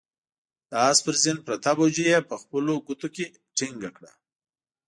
د آس پر زين پرته بوجۍ يې په خپلو ګوتو کې ټينګه کړه.